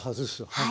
はい。